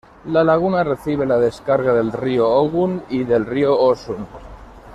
La laguna recibe la descarga del río Ogun y del río Osun.